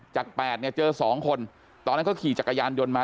จาก๘เนี่ยเจอ๒คนตอนนั้นเขาขี่จักรยานยนต์มา